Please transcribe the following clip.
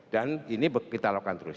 dan ini kita lakukan terus